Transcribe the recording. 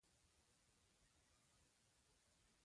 ځانونه نه شي ټینګولای.